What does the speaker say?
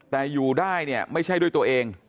แต่อยู่ได้เนี่ยไม่ใช่ด้วยตัวเอง